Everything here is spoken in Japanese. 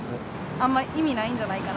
あんまり意味ないんじゃないかな。